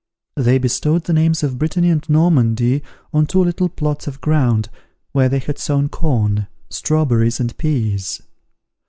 They bestowed the names of Brittany and Normandy on two little plots of ground, where they had sown corn, strawberries, and peas.